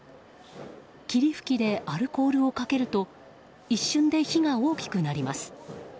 霧吹きでアルコールをかけると一瞬で火が大きくなります。